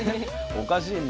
おかしいな。